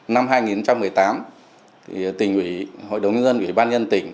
năm hai nghìn một mươi tám tỉnh ủy hội đồng nhân dân ủy ban nhân tỉnh